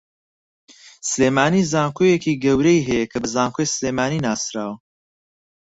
سلێمانی زانکۆیەکی گەورەی ھەیە کە بە زانکۆی سلێمانی ناسراوە